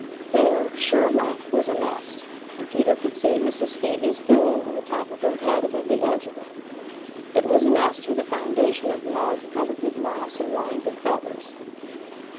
There, sure enough, was a nest, and Peter could see Mrs. Phoebe's bill and the top of her head above the edge of it. It was a nest with a foundation of mud covered with moss and lined with feathers.